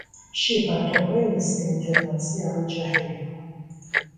Ŝi partoprenis en Internacia Ruĝa Helpo.